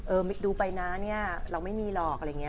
ดูไปนะเนี่ยเราไม่มีหรอกอะไรอย่างนี้